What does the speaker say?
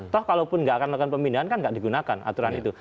toh kalau pun enggak akan melakukan pemindahan kan enggak digunakan aturan itu